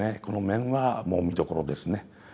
この面はもう見どころですね。